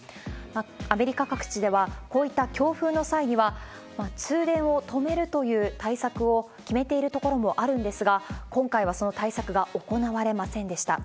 アメリカ各地では、こういった強風の際には、通電を止めるという対策を決めている所もあるんですが、今回はその対策が行われませんでした。